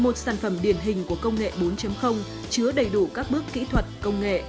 một sản phẩm điển hình của công nghệ bốn chứa đầy đủ các bước kỹ thuật công nghệ